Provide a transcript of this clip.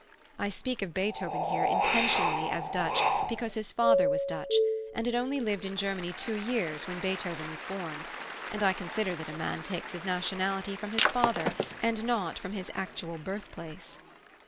I speak of Beethoven here intentionally as Dutch, because his father was Dutch, and had only lived in Germany two years when Beethoven was born; and I consider that a man takes his nationality from his father and not from his actual birthplace.